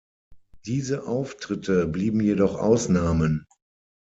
Diese Auftritte blieben jedoch Ausnahmen.